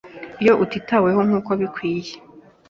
iyo utitaweho nk’uko bikwiye